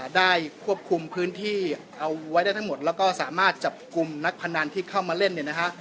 ได้ควบคุมพื้นที่เอาไว้ได้ทั้งหมดแล้วก็สามารถจับกลุ่มนักพนันที่เข้ามาเล่นเนี่ยนะฮะ